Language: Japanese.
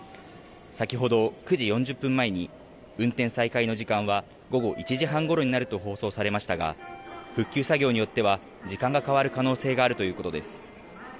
先ほど９時４０分前に運転再開の時間は午後１時半ごろになると放送されましたが復旧作業によっては時間が変わる可能性があるということです。